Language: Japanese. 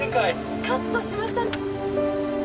スカッとしました